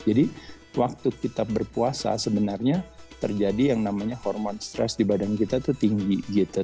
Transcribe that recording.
jadi waktu kita berpuasa sebenarnya terjadi yang namanya hormon stres di badan kita itu tinggi gitu